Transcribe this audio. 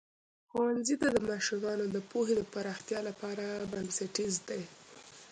ښوونځی د ماشومانو د پوهې د پراختیا لپاره بنسټیز دی.